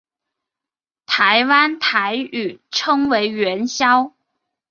台湾台语称为元宵。